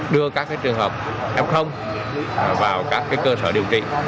đưa các trường hợp f vào các cơ sở điều trị